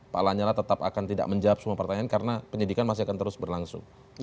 pak lanyala tetap akan tidak menjawab semua pertanyaan karena penyidikan masih akan terus berlangsung